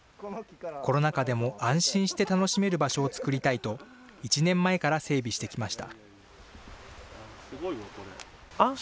コロナ禍でも安心して楽しめる場所を作りたいと、１年前から整備してきました。